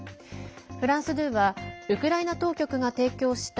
フランス２はウクライナ当局が提供した